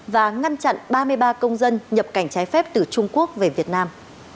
và ngăn chặn ba mươi ba công dân nhập cảnh trái phép từ trung quốc về việt nam